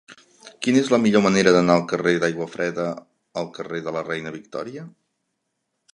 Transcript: Quina és la millor manera d'anar del carrer d'Aiguafreda al carrer de la Reina Victòria?